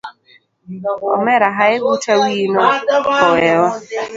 Omera hae buta wiyino hoewa.